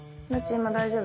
今大丈夫？